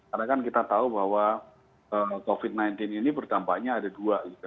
karena kan kita tahu bahwa covid sembilan belas ini bertampaknya ada dua